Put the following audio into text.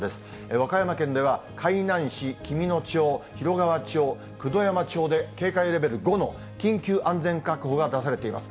和歌山県では海南市、紀美野町、広川町、九度山町で警戒レベル５の緊急安全確保が出されています。